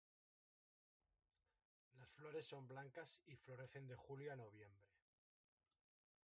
Las flores son blancas y florecen de julio a noviembre.